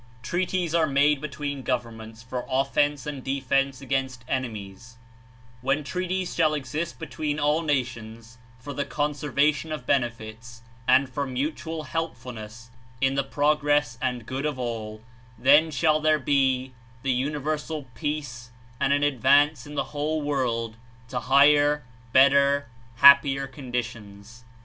Treaties are made between governments for of fence and defence against enemies; when treaties shall exist between all nations for the conservation of benefits and for mutual helpfulness in the progress and good of all, then shall there be the universal peace 44 and an advance of the whole world to higher, better, happier conditions.